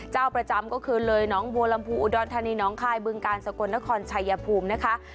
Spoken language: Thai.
เจ้าประจำก็คือเลยน้องบัวลำพูอุดรธานีน้องคายบึงกาลสกลนครชัยภูมินะคะ